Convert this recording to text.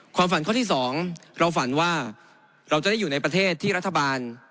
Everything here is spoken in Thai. ฝันข้อที่๒เราฝันว่าเราจะได้อยู่ในประเทศที่รัฐบาล